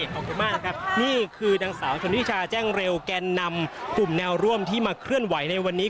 ขอบคุณมากนะครับนี่คือนางสาวชนทิชาแจ้งเร็วแกนนำกลุ่มแนวร่วมที่มาเคลื่อนไหวในวันนี้